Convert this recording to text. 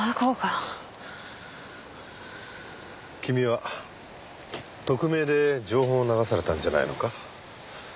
君は匿名で情報を流されたんじゃないのか？